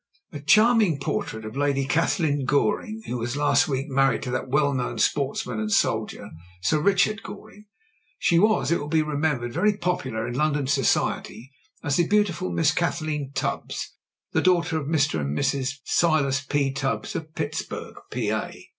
"A charming portrait of Lady Kathleen Goring; who was last week married to that well known sports man and soldier Sir Richard Goring. She was, it will he remembered, very popular in London society as the beautiful Miss Kathleen Tubbs — the daughter of Mr. and Mrs. Silas P. Tubbs, of Pittsburg, Pa.''